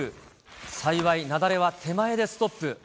幸い、雪崩は手前でストップ。